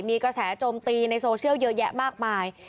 มีกระแสโจมตีในโซเชียลเยอะแยะมากมาย